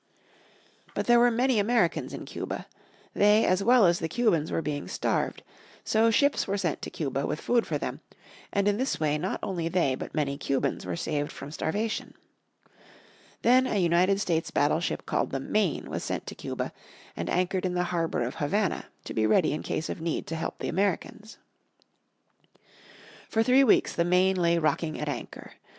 But there were many Americans in Cuba. They as well as the Cubans were being starved. So ships were sent to Cuba with food for them, and in this way not only they but many Cubans were saved from starvation. Then a United States battleship called the Maine was sent to Cuba, and anchored in the harbour of Havana, to be ready in case of need to help the Americans. For three weeks the Maine lay rocking at anchor.